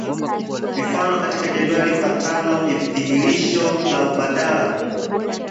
Mifano katika jedwali lifuatalo ni dhihirisho la ubadala huu